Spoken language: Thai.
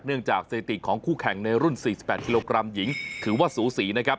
เนื่องจากเศรษฐีของคู่แข่งในรุ่น๔๘กิโลกรัมหญิงถือว่าสูสี